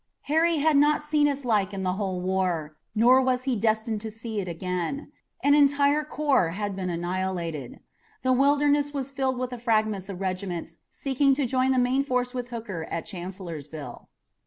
Harry had not seen its like in the whole war, nor was he destined to see it again. An entire corps had been annihilated. The Wilderness was filled with the fragments of regiments seeking to join the main force with Hooker at Chancellorsville.